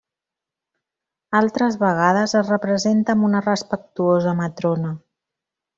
Altres vegades es representa amb una respectuosa matrona.